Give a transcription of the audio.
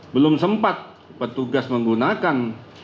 belum sempat petugas menggunakan